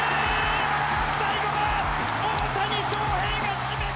最後は大谷翔平が締めくくった！